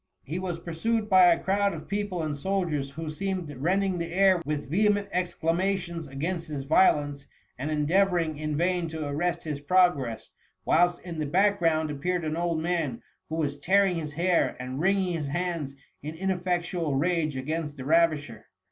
He was pursued by a crowd of people and soldiers, who seemed rending the air with vehement exclama tions against his violence, and endeavouring in vain to arrest his progress ; whilst in the back ground appeared an old man, who was tearing his hair and wringing his hands in ineffectual rage against the ravisher.